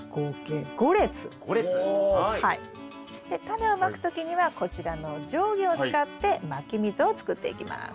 タネをまく時にはこちらの定規を使ってまき溝を作っていきます。